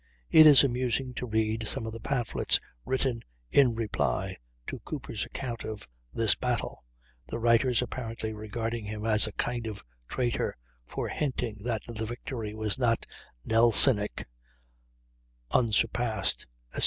It is amusing to read some of the pamphlets written "in reply" to Cooper's account of this battle, the writers apparently regarding him as a kind of traitor for hinting that the victory was not "Nelsonic," "unsurpassed," etc.